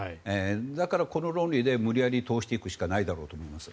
だからこの論理で無理やり通していくしかないんだろうと思います。